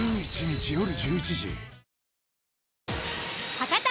博多